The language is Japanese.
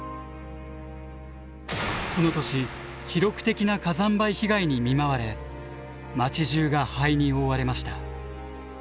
この年記録的な火山灰被害に見舞われ町じゅうが灰に覆われました。